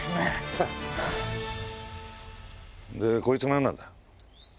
でこいつ何なんだよ？